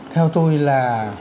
theo tôi là